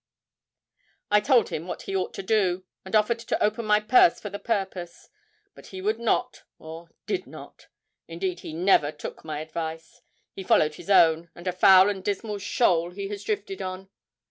I told him what he ought to do, and offered to open my purse for the purpose; but he would not, or did not; indeed, he never took my advice; he followed his own, and a foul and dismal shoal he has drifted on.